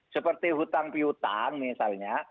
seperti hutang piutang misalnya